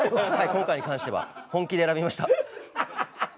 今回に関しては本気で選びました。